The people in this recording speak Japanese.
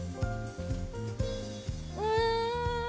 うん！